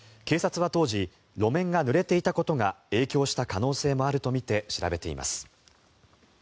警察は当時路面がぬれていたことが影響した可能性もあるとみて調べています。